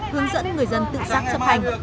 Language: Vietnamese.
hướng dẫn người dân tự giác chấp hành